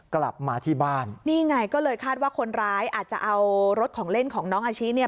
กลับมาที่บ้านนี่ไงก็เลยคาดว่าคนร้ายอาจจะเอารถของเล่นของน้องอาชิเนี่ย